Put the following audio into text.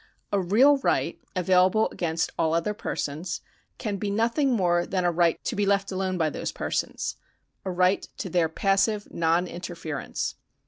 A real right, available against all other persons, can be nothing more than a right to be left alone by those persons — a right to their passive non interference.